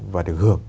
và được hưởng